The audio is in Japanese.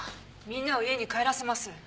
みんなを家に帰らせます。